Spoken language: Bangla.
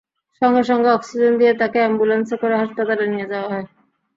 সঙ্গে সঙ্গে অক্সিজেন দিয়ে তাকে অ্যাম্বুলেন্সে করে হাসপাতালে নিয়ে যাওয়া হয়।